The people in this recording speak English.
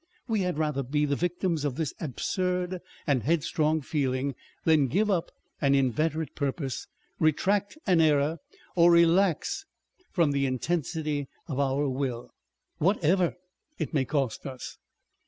We had rather be the victims of this absurd and headstrong feeling, than give up an inveterate purpose, retract an error, or relax from the intensity of our will, whatever it may cost us.